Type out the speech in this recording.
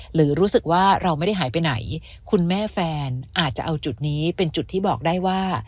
หรือรู้สึกว่าเราไม่ได้หายไปไหนคุณแม่แฟนอาจจะเอาจุดนี้เป็นจุดที่บอกได้ว่า